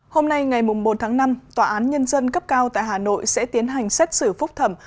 hôm nay ngày bốn tháng năm tòa án nhân dân cấp cao tại hà nội sẽ tiến hành xét xử phúc thẩm